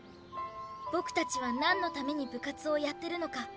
ボクたちは何のために部活をやってるのか。